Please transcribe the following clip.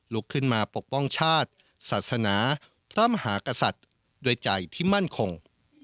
ลุกขึ้นมาปกป้องชาติศาสนาพระมหากษัตริย์ด้วยใจที่มั่นคง